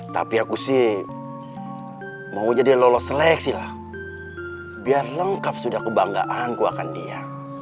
tapi aku sih mau jadi lolos seleksi lah biar lengkap sudah kebanggaan ku akan dia